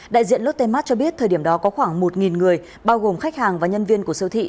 đại diện lotte mart cho biết thời điểm đó có khoảng một người bao gồm khách hàng và nhân viên của siêu thị